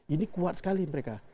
ini kuat sekali mereka